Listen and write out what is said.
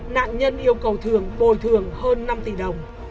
nạn nhân yêu cầu thường bồi thường hơn năm tỷ đồng